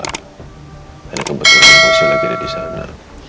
karena kebetulan bosnya lagi ada disana